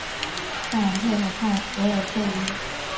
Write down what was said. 夏朗特河畔韦尔特伊。